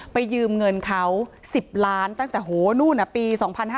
ยืมเงินเขา๑๐ล้านตั้งแต่โหนู่นปี๒๕๕๙